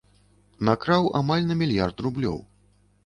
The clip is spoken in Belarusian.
Накраў амаль на мільярд рублёў.